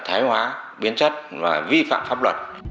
thái hóa biến chất và vi phạm pháp luật